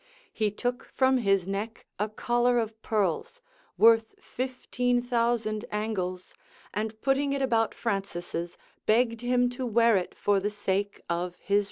He took from his neck a collar of pearls, worth fifteen thousand angels;[] and putting it about Francis's, begged him to wear it for the sake of his prisoner.